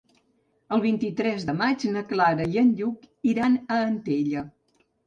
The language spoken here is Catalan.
El vint-i-tres de maig na Clara i en Lluc iran a Antella.